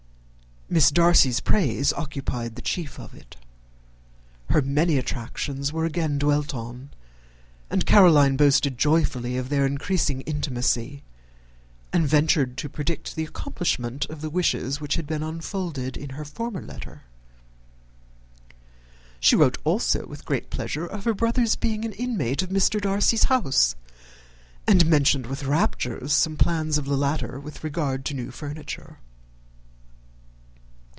Miss Darcy's praise occupied the chief of it. Her many attractions were again dwelt on; and Caroline boasted joyfully of their increasing intimacy, and ventured to predict the accomplishment of the wishes which had been unfolded in her former letter. She wrote also with great pleasure of her brother's being an inmate of Mr. Darcy's house, and mentioned with raptures some plans of the latter with regard to new furniture.